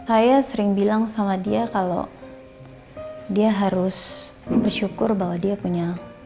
saya sering bilang sama dia kalau dia harus bersyukur bahwa dia punya